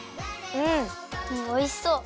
うんおいしそう！